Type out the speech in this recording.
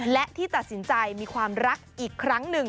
และที่ตัดสินใจมีความรักอีกครั้งหนึ่ง